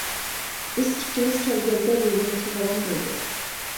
بىز ئىككىمىز كەلگەندە، يولىمىزغا راۋان بولدۇق.